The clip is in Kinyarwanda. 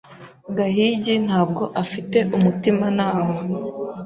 Gahigi ntabwo afite umutimanama.